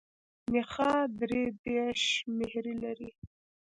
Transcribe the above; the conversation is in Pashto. نخاع درې دیرش مهرې لري.